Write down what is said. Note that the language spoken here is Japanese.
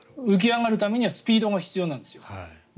浮き上がるためにはスピードが必要なんですよ。